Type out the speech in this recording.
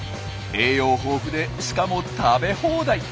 栄養豊富でしかも食べ放題。